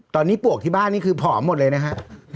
ตอนนี้ปวกที่บ้านนี่คือผอมหมดเลยนะฮะ